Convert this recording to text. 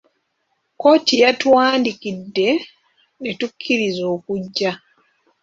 Kkooti yatuwandiikidde ne tukkiriza okujja.